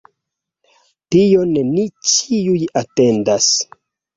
Tion ni ĉiuj atendas.